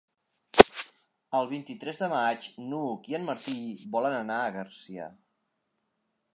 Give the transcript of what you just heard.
El vint-i-tres de maig n'Hug i en Martí volen anar a Garcia.